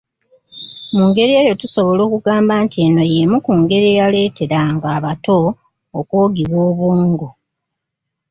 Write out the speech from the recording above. Mu ngeri eyo tusobola okugamba nti eno y’emu ku ngeri eyaleeteranga abato okwogiwa obwongo.